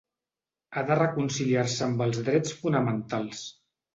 Ha de reconciliar-se amb els drets fonamentals.